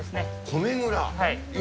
米蔵？